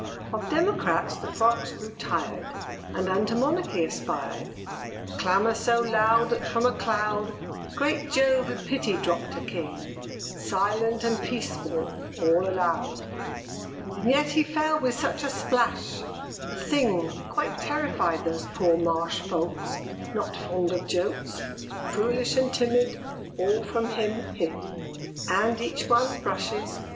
Of Democrats the Frogs grew tired, And unto Monarchy aspired; Clamour so loud, that from a cloud Great Jove in pity dropped a King, Silent and peaceful, all allowed; And yet he fell with such a splash, the thing Quite terrified those poor marsh folks, Not fond of jokes, Foolish and timid, all from him hid; And each one brushes [Illustration: THE FROGS WHO ASKED FOR A KING.